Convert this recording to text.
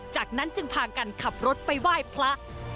จากนั้นจึงพากันขับรถไปไหว้พระ